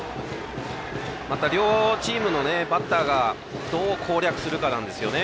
また両チームのバッターがどう攻略するかなんですよね。